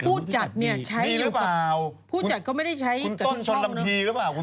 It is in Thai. ผู้จัดก็ไม่ได้ใช้กับช่วงช่องเนี่ย